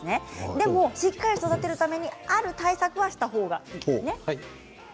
でもしっかり育てるためにある対策をした方がいいんですね。